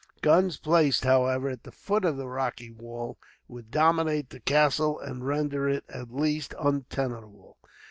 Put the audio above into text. Guns placed, however, at the foot of the rocky wall, would dominate the castle and render it, at last, untenable.